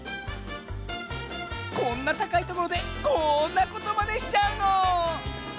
こんなたかいところでこんなことまでしちゃうの！